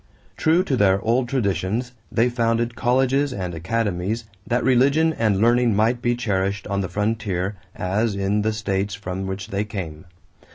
True to their old traditions, they founded colleges and academies that religion and learning might be cherished on the frontier as in the states from which they came.